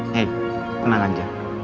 hey tenang aja